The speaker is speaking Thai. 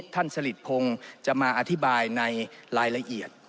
ท่านสลิดพงษ์จะมาอธิบายในรายละเอียด